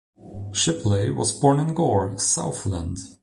Shipley was born in Gore, Southland.